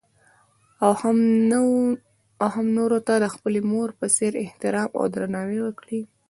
او هـم نـورو تـه د خـپلې مـور پـه څـېـر احتـرام او درنـاوى وکـړي.